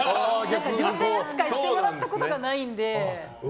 女性扱いしてもらったことがないので。